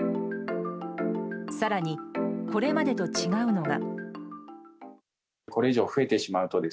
更に、これまでと違うのが。